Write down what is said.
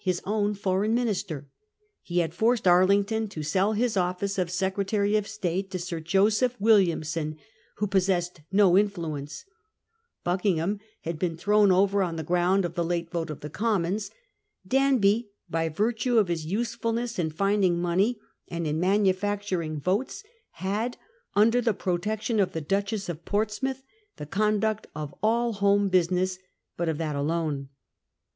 his own foreign minister ; he had forced Arlington to sell his office of Secretary of State to Sir Joseph Williamson, Charles his w ^° P ossesse< ^ no influence; Buckingham own foreign had been thrown over on the ground of the late minister. vo t e Q f ^ c ommons . Danby, by virtue of his usefulness in finding money and in manufacturing votes had, under the protection of the Duchess of Portsmouth, the conduct of all home business, but of that alone.